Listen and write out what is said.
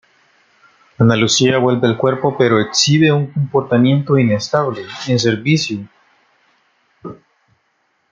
Ana Lucía vuelve al cuerpo, pero exhibe un comportamiento inestable en servicio.